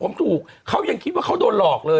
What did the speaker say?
ผมถูกเขายังคิดว่าเขาโดนหลอกเลย